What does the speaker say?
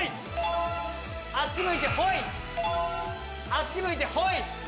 あっち向いてホイ。